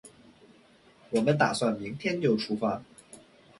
我们打算明天就出发